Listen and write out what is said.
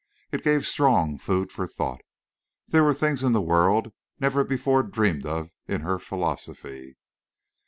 It gave strong food for thought. There were things in the world never before dreamed of in her philosophy.